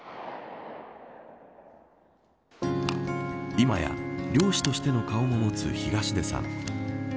今や猟師としての顔を持つ東出さん。